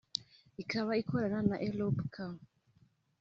ikaba ikorana na Europcar